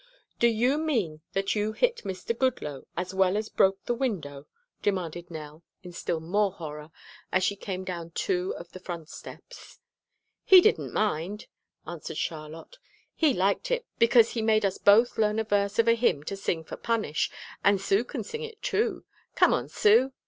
"Do you mean that you hit Mr. Goodloe, as well as broke the window?" demanded Nell in still more horror, as she came down two of the front steps. "He didn't mind," answered Charlotte. "He liked it, because he made us both learn a verse of a hymn to sing for punish, and Sue can sing it, too. Come on, Sue!"